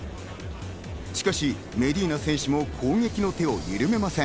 しかしメディーナ選手も攻撃の手をゆるめません。